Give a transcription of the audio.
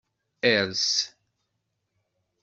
Ers.